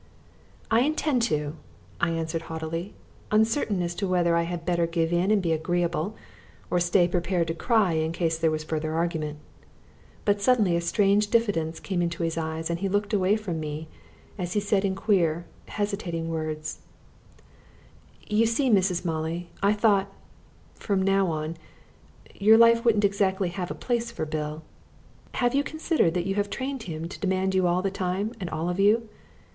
"I intend to," I answered haughtily, uncertain as to whether I had better give in and be agreeable, or stay prepared to cry in case there was further argument. But suddenly a strange diffidence came into his eyes, and he looked away from me as he said in queer hesitating words "You see, Mrs. Molly, I thought, from now on, your life wouldn't have exactly a place for Bill. Have you considered that you have trained him to demand you all the time and all of you?